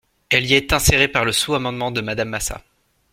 Elle y est insérée par le sous-amendement de Madame Massat.